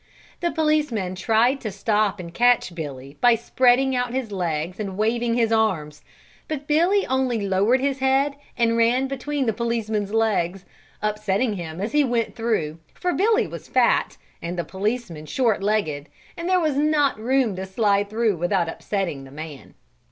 The policeman tried to stop and catch Billy by spreading out his legs and waving his arms, but Billy only lowered his head and ran between the policeman's legs, upsetting him as he went through for Billy was fat and the policeman short legged and there was not room to slide through without upsetting the man.